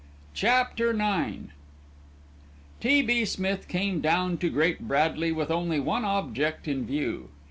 CHAPTER IX T. B. Smith came down to Great Bradley with only one object in view.